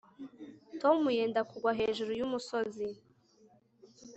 Tom yenda kugwa hejuru yumusozi